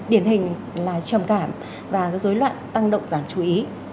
điển hình là trầm cảm và cái rối loạn tăng động giảm chú ý